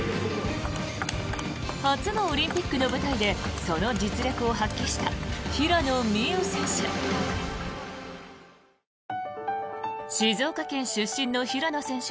初のオリンピックの舞台でその実力を発揮した平野美宇選手。